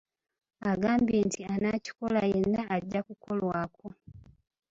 Agambye nti anaakikola yenna ajja kukolwako.